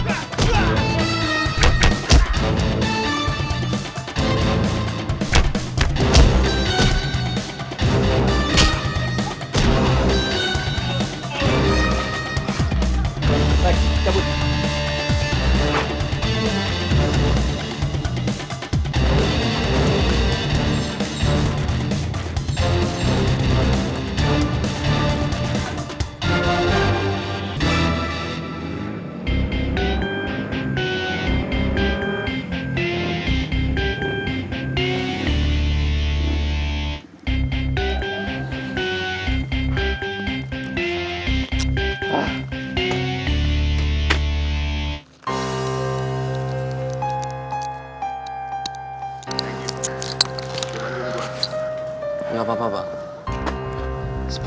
assalamu'alaikum warahmatullah wabarakatuh